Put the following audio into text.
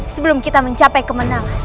sebelum kita mencapai kemenangan